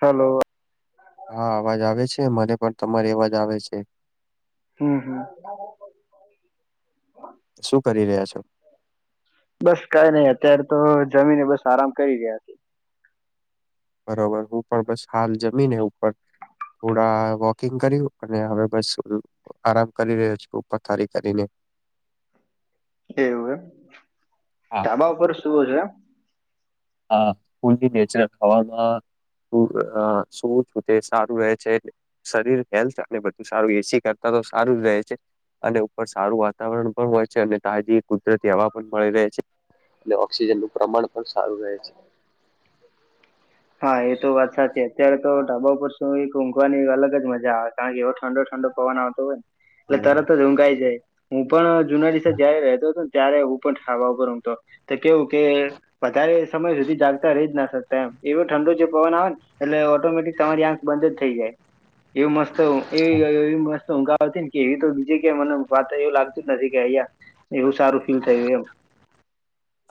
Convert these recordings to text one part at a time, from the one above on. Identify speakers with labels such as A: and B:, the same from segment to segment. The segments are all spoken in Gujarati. A: હલો.
B: હા અવાજ આવે છે મને પણ તમારી અવાજ આવે છે.
A: હમ હમ.
B: શું કરી રહ્યા છો?
A: બસ કઈ નઈ અત્યારે તો જમીને બસ આરામ કરી રહ્યા છે.
B: બરોબર હું પણ બસ હાલ જમીન ઉપર થોડા વોકિંગ કર્યું અને હવે બસ આરામ કરી રહ્યો છે ઉપર પીથારી કરીને.
A: એવું એમ
B: હા
A: ધાબા ઉપર સૂવો છો એમ.
B: આ ફૂલલી નેચરલ હવામાં. શું છું તે સારું રહે છે. શરીર હેલ્થ અને બધું સારું એસી કરતા તો સારું જ રહે છે. અને ઉપર સારું વાતાવરણ પણ હોય છે અને તાજી કુદરતી હવા પણ મળી રહે છે. અને ઓક્સિજન નું પ્રમાણ પણ સારું રહે છે.
A: હા એ તો વાત સાચી અત્યારે તો ઢાબા પર શું એક ઊંઘવાની અલગ જ મજા આવે. કારણ કે એવો ઠંડો ઠંડો પવન આવતો હોય ને
B: હમ
A: એટલે તરત જ ઊંઘાઈ જાય. હું પણ જુના દ [unintelligible] સાથે જયારે રહેતો હતો ને ત્યારે હું પણ ઢાબા ઉપર રેતો તો. તો કેવું કે વધારે સમય સુધી જાગતા રહી જ ના શકતા એમ. એવો ઠંડો જે પવન આવે ને એટલે ઓટોમેટિક તમારી આંખ બંધ જ થઈ જાય. એવું મસ્ત ઊંઘી ગયો એવી મસ્ત ને કે એવી તો બીજી ક મને વાત એવું લાગતું જ નથી કે અં એવું સારું ફીલ થયું એમ.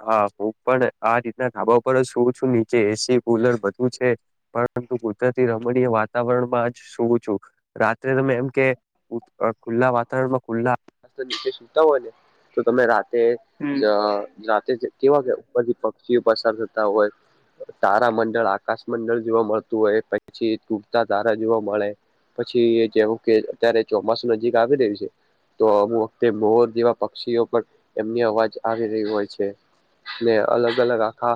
B: હા હું પણ આ રીતના ઢાબા પર સુવું છું નીચે એસી, કુલર બધું છે પરંતુ કુદરતી રમણીય વાતાવરણમાં જ સુવું છું. રાત્રે તમે એમ કે ખુલ્લા વાતાવરણમાં ખુલ્લાતા હોય ને તો તમે
A: હમ
B: રાતે જ કેવા કે બધી પક્ષીઓ પસાર થતા હોય. તારા મંડળ, આકાશ મંડળ જોવા મળતું હોય પછી તૂટતા તારા જોવા મળે. પછી જેવું કે અત્યારે ચોમાસું નજીક આવી રહ્યું છે તો અમુક વખતે મોર જેવા પક્ષીઓ પણ એમની અવાજ આવી રહી હોય છે. ને અલગ અલગ આખા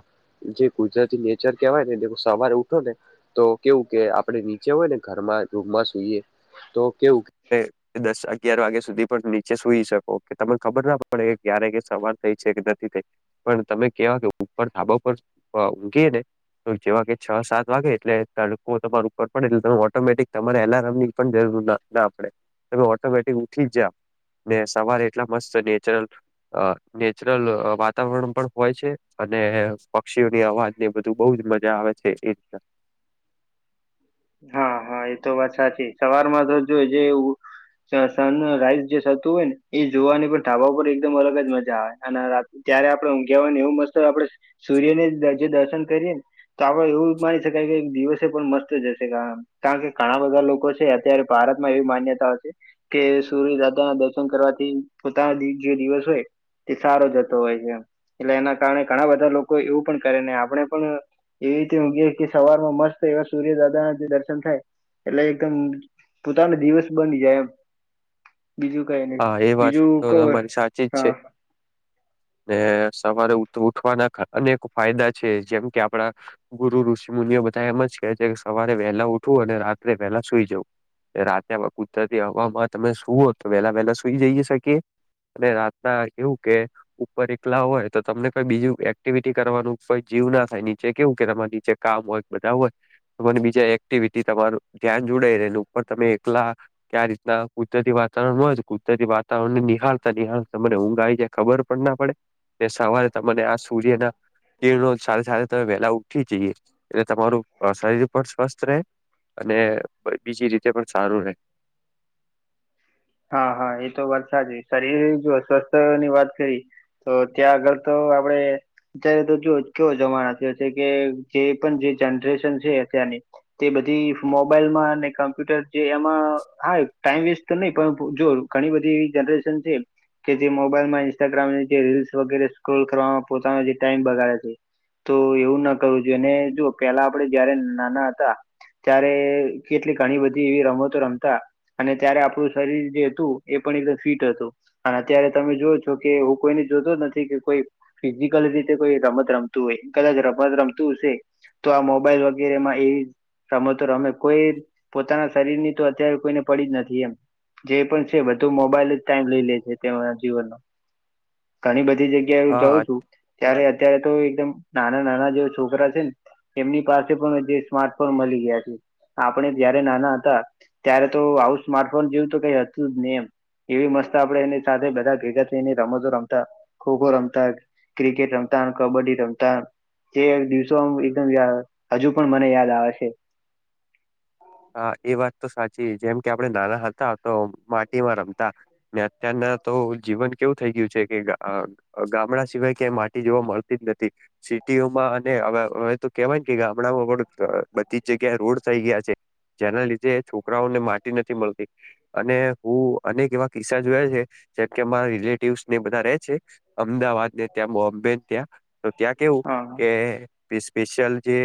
B: જે કુજરતી નેચર કેવાય ને સવારે ઉઠો ને તો કેવું કે આપણેે નીચે હોય ને ઘરમાં રૂમમાં સુઈએ તો કેવું કે દસ અગયાર વાગ્યા સુધી પણ નીચે સુઈ શકો તમને ખબર ના પડે ક્યારે કે સવાર થઈ છે કે નથી થઈ. પણ તમે કેવા કે ઉપર થાબા પર ઊંઘી ને તો જેવા કે છ સાત વાગે એટલે તડકો તમાર ઉપર પડે એટલે તમે ઓટોમેટિક તમારે અલાર્મ ની પણ જરૂર ના પડે તમે ઓટોમેટિક ઉઠી જ ને સવારે એટલા મસ્ત નેચર નેચરલ વાત વાતાવરણ પણ હોય છે અને પક્ષીઓની અવાજની બધું બહ જ મજા આવે છે એ રીતે.
A: હા હા એ તો વાત સાચી સવારમાં તો જો જે સન રાઈસ જે થતું હોય ને એ જોવાની પણ ધાવા પર એકદમ અલગ જ મજા આવે અને ત્યારે આપડે ઊઘવાને એવું મસ્ત આપડે સૂર્યને જે દર્શન કરીએ ને તો આપડે એવું માની શકાય કે દિવસે પણ મસ્ત જશે. કારણ કે ઘણા બધા લોકો છે અત્યારે ભારતમાં એવી માન્યતા છે કે સૂર્ય દાદા ના દર્શન કરવાથી પોતાના જે દિવસ હોય તે સારો જતો હોય છે એટલે એના કારણે ઘણા બધા લોકો એવું પણ કરેને આપણે પણ એવી રીતે કે સવારમાં મત એવા સૂર્યદાદા દર્શન થાય એટલે એકદમ પોતાનો દિવસ બની જાય એમ. બીજું કઈ નહી
B: હા એ વાત
A: બીજું
B: તો
A: કવ એમ
B: તમારી સાચી જ
A: હા.
B: છે ને સવારે ઉઠવાના અનેક ફાયદા છે જેમ કે આપડા ગુરુ ઋષિ મુનિઓ બધા એમ જ કે છે કે સવારે વહેહલા ઉઠવું અને રાત્રે વહેલા સુઈ જવું. રાતે કુદરતી હવામાં તમે સુ તો વેલા વહેલા સુઈ જઈએ [unintelligible] અને રાતના એવું કે. ઉપર એકલા હોય તો તમને કોઈ બીજું એક્ટિવિટી કરવાનું કોઈ જીવ ના થાય નીચે કેવું કે તમારે નીચે કામ હોય. બધા હોયને બીજા એક્ટિવિટી તમારું ધ્યાન જોડઈ રહે ઉપર તમે એકલા આ રીતના કુદરતી વાતાવરણ હોય કુદરતી વાતાવરણ નિહાળતા નિહાળતા મને ઊંઘ આવી ખબર પણ ના પડે સવારે તને આ સૂર્યના તે રોજ સાડા [unintelligible] વેલા ઉઠી જઈએ એટલે તમારું શરીર પણ સ્વસ્થ રહે અને બીજી રીતે પણ સારું રહે.
A: હા હા એ તો વાત સાચ શરીર જોસ્વસ્થ ની વાત કરી. તો ત્યાં આગળ તો આપડે. અત્યારે તો જો કેવો જમાના [unintelligible] છે, કે જે પણ જે જનરેશન છે, અત્યારની. તે બધી મોબાઈલ માં અને કમ્પ્યુટર જે એમાં હા ટાઈમ વેસ્ટ તો નહી. પણ જો ઘણી બધી એવી જનરેશન છે. કે જે મોબાઈલમાં ઇન્સ્ટાગ્રામની જે [unintelligible] વગેરે સ્ક્રોલ કરવામાં પોતાનો જે ટાઈમ બગાડે છે. તો એવું ના કરવું જોઈએ અને [unintelligible] પેલા આપડે જયારે નાના હતા. ત્યારે કેટલી ઘણી બધી એવી રમતો રમતા અને ત્યારે આપણું. શરીર જે હતું એ પણ એક ફિટ હતું. અને અત્યારે તમે જોવ છો કે હું કોઈને જોતો નથી કે કોઈ. ફિઝિકલ રીતે કોઈ રમત રમતું હોય કદાચ રમત રમતું હશે. તો આ મોબાઈલ વગેરેમાં એવી. રમતો રમે કોઈ પોતાના શરીર ની તો અત્યારે કોઈને પડી જ નથી એમ. જે પણ છે, બધુ મોબાઈલ જ ટાઈમ લઈ લે છે, તેમના જીવનમાં ઘણી બધી [unintelligible]
B: હા
A: જઉં છું ત્યારે અત્યારે તો એકદમ નાના નાના જે છોકરા છે, ને. એમની પાસે પણ જે સ્માર્ટફોન મળી ગયા છે. આપણે જયારે નાના હતા ત્યારે તો આવું સ્માર્ટફોન જેવું તો કઈ હતું જ ને એમ. એવી મસ્ત આપડે એની સાથે બધા [unintelligible] એની રમતો રમતા ખોખો રમતા. ક્રિકેટ રમતા કબડ્ડી રમતા. જે દિવસો એકદમ હજુ પણ મને યાદ આવે છે.
B: હા એ વાત તો સાચી જેમ કે આપડણે નાના હતા તો માટીમાં રમતા. અત્યારના તો જીવન કેવું થઇ ગયું છે, કે ગામડા સિવાય ક્યાંય માટી જોવા મળતી જ નથી સિટીઓમાં [unintelligible] હવે તો કેવાય. કે ગામડામાં પણ બધી જ જગ્યા રોડ થઇ ગયા છે. જેના લીધે છોકરાઓને માટી નથી મળતી અને હું. અનેક એવા કિસ્સા જોયા છે, જેમ કે અમારા રિલેટિવસ ને બધા [unintelligible] છે. અમદાવાદ ને ત્યાં બોમ્બે ને ત્યાં. તો ત્યાં કેવું
A: હા
B: કે
A: હા
B: સ્પેશિયલ જે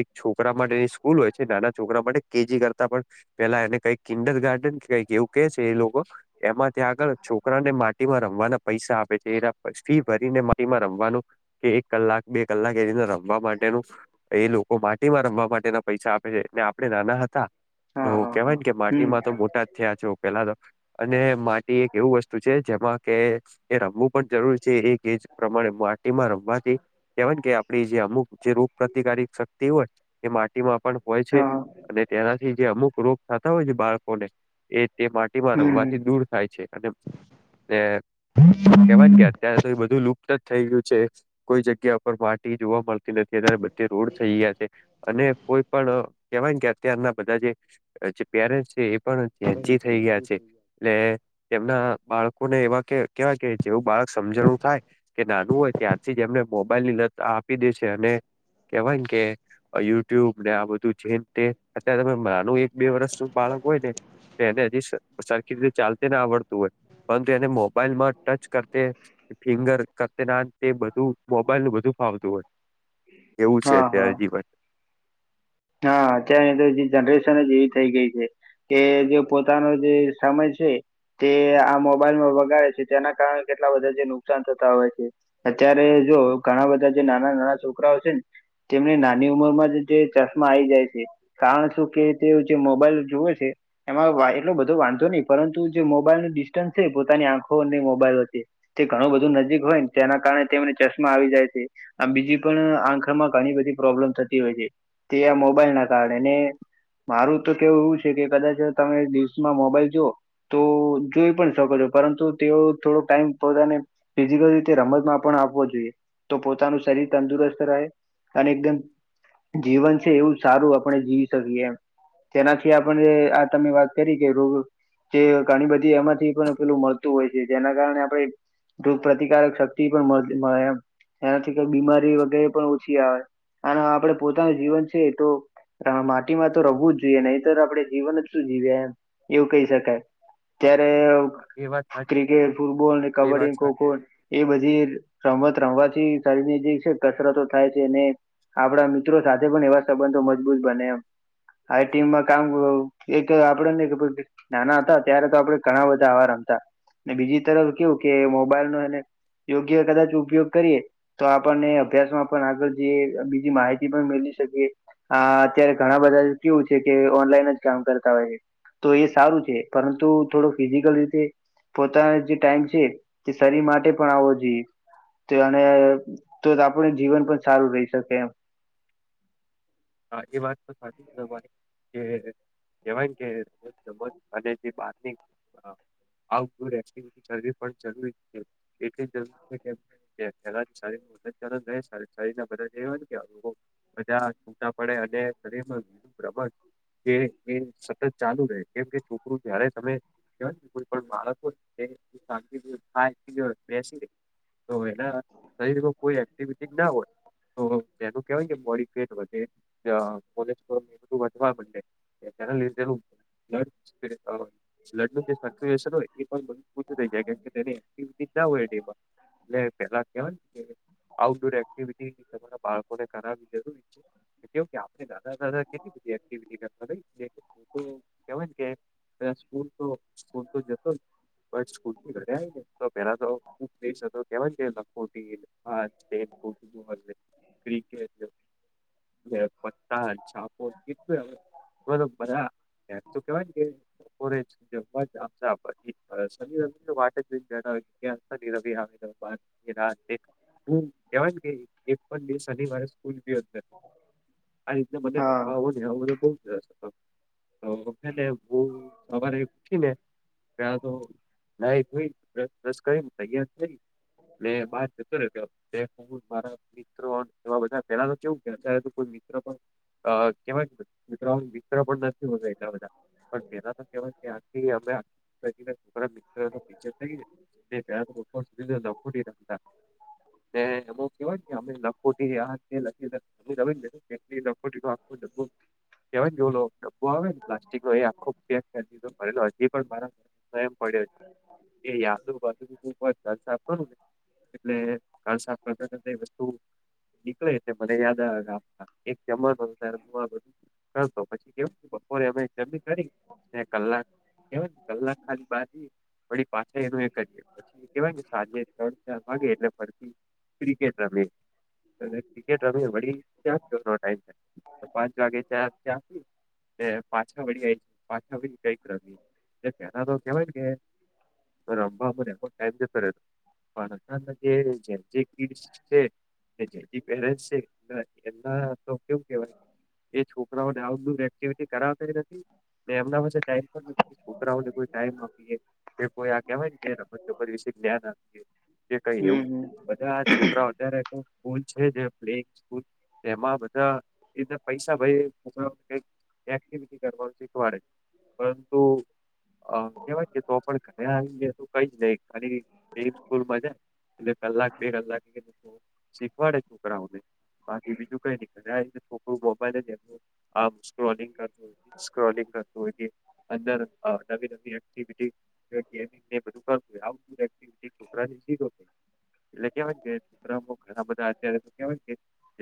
B: એક છોકરા માટેની સ્કૂલ હોય છે, નાના. છોકરા માટે કેજી કરતા પણ પેલા એને કઈક [unintelligible] ગાર્ડન કે કઈક એવું કે છે, એ લોકો. એમાં ત્યાં આગળ છોકરાને માટીમાં રમવાના પૈસા આપે છે, એના ફી ભરીને માટીમાં રમવાનું. કે એક કલાક બે કલાક એ રીને રમવા માટેનું. એ લોકો માટીમાં રમવા માટેના પૈસા આપે છે, ને આપણેે નાના હતા.
A: હા
B: તો
A: હા
B: કેવાય
A: હા
B: ને કે
A: હમ
B: માટીમાં તો મોટા જ થયા છો. પેલા તો અને માટી એક એવું વસ્તુ છે, જેમાં કે. એ રમવું પણ જરૂરી છે, એ [unintelligible] પ્રમાણે. રમવા [unintelligible] કે આપ જે અમુક જે રોગ પ્રતિકારક શક્તિ હોય એ. પણ હોય છે,
A: હા
B: અને તેનાથી જે અમુક રોગ થતા હોય છે, બાળકોને એ તે માટે. [unintelligible]
A: હમ
B: રમવાથી દૂર થાય છે, અને કેવા ગયા. ત્યારે તો એ બધું લુપ્ત જ થઈ ગયું છે. કોઈ જગ્યા પર માટી જોવા મળતી નથી [unintelligible] બધે રોડ થઈ ગયા છે, અને કોઈ પણ. કેવાય કે અત્યારના બધા જે પેરેન્ટ છે, એ પણ [unintelligible] થઈ ગયા છે. એટલે એના બાળકોને એવા કે કેવાય કે જેવું બાળક સમજણું થાય. કે નાનું હોય ત્યારથી જ એમને મોબાઈલ [unintelligible] આપી દેશે અને. કેવાય ને કે યુટ્યુબ ને આ બધું [unintelligible] જે [unintelligible] અત્યારે રે તમે [unintelligible] એક બે વર્ષ બાળક હોય ને. એને હજી સરખી રીતે ચાલતીને આવડતું હોય પરંતુ એને મોબાઈલમાં ટચ [unintelligible] ફિંગર કરત્યના તે બધું. મોબાઈલ નું બધું ફાવતું હોય એવું છે
A: હા હા
B: અત્યારે જીવન
A: હા અત્યારે તો જે જનરેશન જ એવી થઇ ગઈ છે કે જે પોતાનો જે સમય છે તે આ મોબાઈલમાં વગાડે છે તેના કારણે કેટલા બધા જે નુકસાન થતા હોય છે અત્યારે જો ઘણા બધા જે નાના નાના છોકરાઓ છે ને તેમને નાની ઉંમર માં જ ચશ્મા આ આવી જાય છે કારણ શું કે તે જે મોબાઈલ જુવે છે એમાં એટલો બધો વાંધો નહી પરંતુ જે મોબાઈલ ન ડિસ્ટન્સ છે પોતાની આંખો અને મોબાઈલ વચ્ચે તે ઘણું બધું નજીક હોયને તેના કારણે તેને ચશ્મા આવી જાય છે આ બીજી પણ આંખમાં ઘણી બધી પ્રોબ્લેમ થતી હોય છે તે આ મોબાઈલ ના કારણેને મારું તો કેવું એવું છે કે કદાચ તમે દિવસમાં મોબાઈલ જોુઓ તો જોઈ પણ શકો છો પરંતુ તેઓ થોડો ટાઈમ પોતાને ફિઝિકલ રીતે રમતમાં પણ આપવો જોઈએ તો પોતાનું શરીર તંદુરસ્ત રહે અને એકદમ જીવન છે એવું સારું આપણે જીવી શકીએ એમ તેનાથી આપણે આ તમે વાત કરી કે રો જે ઘણી બધી એમાંથી પણ પેલું મળતું હોય છે જેના કારણે આપણે તો પ્રતિકારક શક્તિ પણ મળે એમ એનાથી કઈ બીમારી વગેરે પણ ઓછી આવે અને આપડે પોતાનું જીવન છે તો માટીમાં તો રવું જ જોઈએ નહી તો આપડણે જીવન જ શું જીવીએ એમ એવું કહી શકાય
B: હા
A: ત્યારે
B: હા, એ વાત સાચી
A: ક્રિકેટ ફૂટબોલ
B: એ વાત
A: કબડ્ડી
B: સાચી
A: ખોખો એ બધી રમત રમવાથી શરીર ની જે છે કસરતો થાય છે અનેને આપણા મિત્રો સાથે પણ એવા સંબંધો મજબૂત બને એમ આ ટીમમાં કામ આપડે ને નાના હતા ત્યારે તો આપડે ઘણા બધા આવાર રમતા બીજી તરફ કેવું કે મોબાઈલ ન એને યોગ્ય કદાચ ઉપયોગ કરીએ તો આપણને અભ્યાસ માં પણ આગળ જે બીજી માહિતી પણ મેલી શકે હ અત્યારે ઘણા બધા કેવું છે કે ઓનલાઈન જ કામ કરતા હોય છે તો એ સારું છે પરંતુ થોડો ફિઝિકલ રીતે પોતાનો જે ટાઈમ છે તે શરીર માટે પણ આવવો જોઈએ તો તો આપણે જીવન પણ સારું રહી શકે એમ
B: હા એ વાત તો સાચી જની કે કેવાય કે રમત રમજ અને જે બારની ્ટિવિ કરવી પણ જરૂરી છે એટરૂરી મ શરીર મદદ હોય બધા પડે અને શરીરમાંીું પ્રબ જે એ સતત ચાલુ રહે કેમ કે છોકરું જય્યારે તમે કોઈ પણ બાળકો થાય બેસી તો એના શરીરમાં કોઈ એક્ટિવિટી ના હોય તો તેનું કેહેવાય ને બોડી ફેટ વગે પોધુંવાે લીધે લડનું જે શુ છેને એ પણ બધ પૂછું થઈ જાય કેમ કે તેને ી હોય એ ડમાં એટલે પેલા કેવાય આઉટડોર એક્ટિવિટી તમારા બાળકો ને કરાવવી જરૂરી છે કેવ કે આપણે દાદા દાદા કેટલી બધી એક્ટિવિટી કરવાું કેવાય કે ત સ્કૂલ તો સ્કૂલ તો જતો જ બ સ્કૂ ઘરે આવી ને તો પેલા તો કેવા લખોટી હા તે ફુટબોલ ક્રિકેટ [unintelligible] ઓરે છે જેવા શન રવિને વા જને જય શન રવિ આવે તું કેવા કે એક પણ દિવસ શનિવારે સ્કૂલ બંદર આ રીતના મને રબ
A: હા
B: હોો ને બધ બ તોખને હું સવારે ઉઠને ત તો લય રસ રસ કરી તૈયાર થ મે બાર જતો ને હ મારા મિત્રો એવા બધા પેલા તો કેવું કે અત્યારે કોઈ મિત્ર પણ કેવાય મિત્ર મિત્ર પણ નથી હોતો એટલા બધા પણ તેના તો કહેવાયથીરા મિક થ [unintelligible] ને અમુ કેવાય કે અમે નખોટી લખીને ને કેટલી લખ આખ ડબ્બું કેવાને જો ડબ્બો આવે ને પ્લા લો એ આખો પેક કરી દીધો ભરેલો હજી પણ મા એમ [unintelligible] એટલે કસા વસ્તુ નીકળે મને યાદ આવેતા જમવાનો ત્યારે હું આ બધું કરતો પછી કેવું બપોરે અમે જમી કરી કલાકવાય કલાક ખા બાાર વી પાછળ એ કરીએ પછી કેવાય સાંજે ત ચાર વાગે એટલે ફરતી ક્રિકેટ રમી ક્રિકેટ રમી વડી ટમ પાંચ વાગે ચ ચ પાછા વળય છે પાછાને કઈક રમ એટલે પેલા તો કેવાય ને કે રમવા મને એ ટાઈમ જ કરેતો [unintelligible] એમના તો કેવું કેવાય એ છોકરાઓને આઉટડોર એક્ટિવિટી કરાવતા નથી. એમના પાસે ટાઈમ પણ છોકરાઓને કોઈ ટાઈમ આપી જે કોઈ આ કહેવાય ને કે રમત ચપ વિશે જ્ઞાન આપ જે કઈ
A: હમ
B: એવું
A: હમ
B: બધા છોકરાઓ અત્યારે એક સ્કૂલ છે જે પ્લે સ્કૂલ એમાં બધા એ પૈસા ભ મોક ક એક્ટિવિટી કરવા શીખવાડે. પરંતુ અ કેવાય છે તો પણ ઘરે આવી જ તોું કઈ જ નઈ ખાલી સ્કૂલ માં જાય એટલે કલાક બે કલાક શીખવાડે છોકરાઓને બાકી બીજ ની છોકું મોબાઈલોલિંગ કર સ્ક્રોલિંગ કરતું હોય અંદર નવી નવી એક્ટિવિટી ગેમિંગ બધું કરુંઉડોર એક્ટિટી છોકરાની સીધ એટલે કેવાય છે કે છકરામ ઘણા બધા અત્યારે તો કેવાય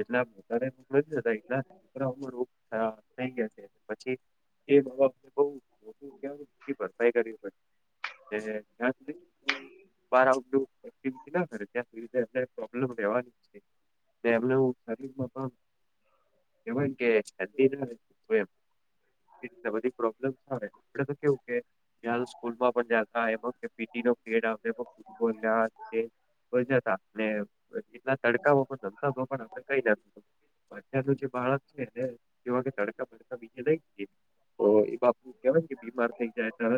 B: એટલા મો મોકલીતા એટલા રોગ થ થઈ ગયા છે પછી એ બાને ક ભરસાઈ કર પ જ્યાં સુધી સુધી એમને પ્રોબ્લેમ રહેવાની હ એ કે હદીના સ્વય એ રી બધી પ્રોબ્લેમ આવે આપડે તો કેવું કે [unintelligible] જ ને એટલા તડકા પણ રમતા પણ આપણે કઈ ના અત્યારનું જે બાળક છે ને જેવા કે તડકા બડકા બીજ લઈ જએ તો એ બાપ કેહેવાય કે બીમાર થઈ જાય